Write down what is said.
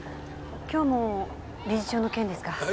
今日も理事長の件ですか？